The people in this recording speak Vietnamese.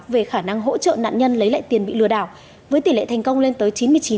về khả năng hỗ trợ nạn nhân lấy lại tiền bị lừa đảo với tỷ lệ thành công lên tới chín mươi chín